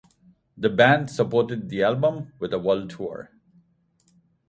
The band supported the album with a worldwide tour.